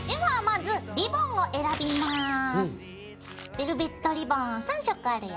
ベルベットリボン３色あるよ。